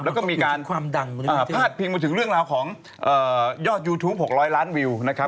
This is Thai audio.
แล้วก็มีการความดังพาดพิงมาถึงเรื่องราวของยอดยูทูป๖๐๐ล้านวิวนะครับ